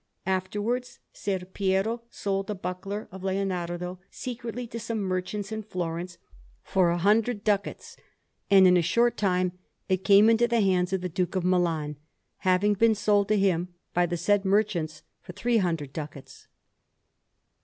Afterwards, Ser Piero sold the buckler of Leonardo secretly to some merchants in Florence, for a hundred ducats; and in a short time it came into the hands of the Duke of Milan, having been sold to him by the said merchants for three hundred ducats.